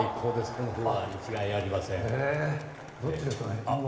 このフロアに違いありません。